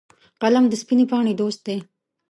قلم د سپینې پاڼې دوست دی